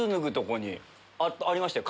ありましたよ